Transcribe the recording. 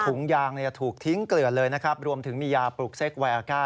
ถุงยางถูกทิ้งเกลือดเลยนะครับรวมถึงมียาปลูกเซ็กไวอาก้า